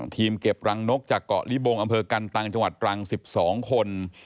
เก็บรังนกจากเกาะลิบงอำเภอกันตังจังหวัดตรัง๑๒คน